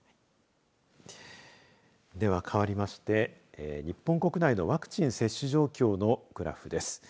では、かわりまして日本国内のワクチン接種状況のグラフです。